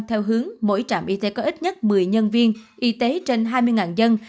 theo hướng mỗi trạm y tế có ít nhất một mươi nhân viên y tế trên hai mươi dân